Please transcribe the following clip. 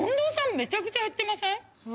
めちゃくちゃ減ってません？